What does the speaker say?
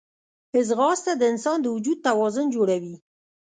ځغاسته د انسان د وجود توازن جوړوي